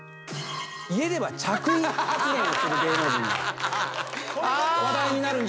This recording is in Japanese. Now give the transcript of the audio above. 家では着衣発言をする芸能人が話題になるんじゃないかと。